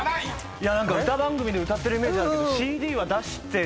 何か歌番組で歌ってるイメージあるけどＣＤは出して。